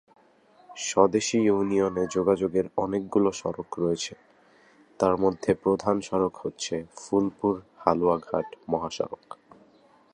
স্বদেশী ইউনিয়নে যোগাযোগের অনেকগুলো সড়ক রয়েছে তার মধ্য প্রধান সড়ক হচ্ছে ফুলপুর-হালুয়াঘাট মহাসড়ক।